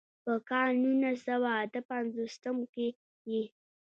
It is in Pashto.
پۀ کال نولس سوه اتۀ پنځوستم کښې ئې